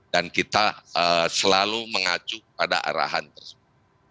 dan kita selalu mengacu pada arahan tersebut